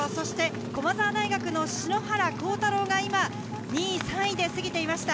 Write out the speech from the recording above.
駒澤大学の篠原倖太朗が今、２位、３位で過ぎていました。